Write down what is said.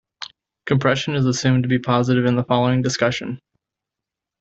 Compression is assumed to be positive in the following discussion.